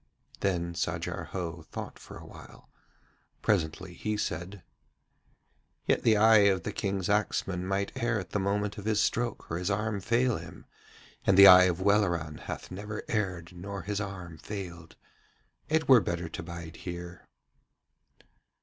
Then Sajar Ho thought for a while. Presently he said: 'Yet the eye of the King's axeman might err at the moment of his stroke or his arm fail him, and the eye of Welleran hath never erred nor his arm failed. It were better to bide here.'